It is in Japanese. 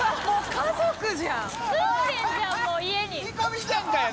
家族じゃん！